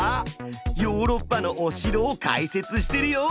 ヨーロッパのお城を解説してるよ！